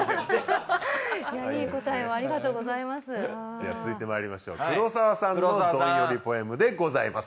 では続いてまいりましょう黒沢さんのどんよりポエムでございます。